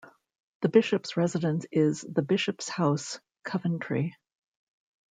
The Bishop's residence is The Bishop's House, Coventry.